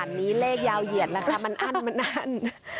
อันนี้เลขยาวเหยียดนะคะมันอั้น